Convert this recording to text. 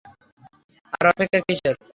আর অপেক্ষা কীসের?